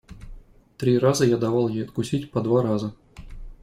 Три раза я давал ей откусить по два раза.